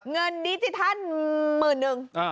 เงินดิจิทัลหมื่นนึง